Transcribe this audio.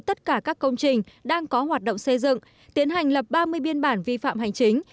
tất cả các công trình đang có hoạt động xây dựng tiến hành lập ba mươi biên bản vi phạm hành chính